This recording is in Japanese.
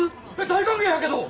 大歓迎やけど！